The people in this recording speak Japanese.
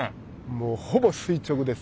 もうほぼ垂直です。